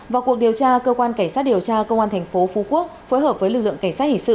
vào cuộc điều tra cơ quan cảnh sát điều tra công an thành phố phú quốc phối hợp với lực lượng cảnh sát hình sự